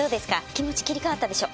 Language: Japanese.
気持ち切り替わったでしょ。